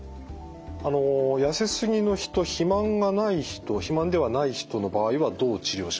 痩せすぎの人肥満がない人肥満ではない人の場合はどう治療しますか？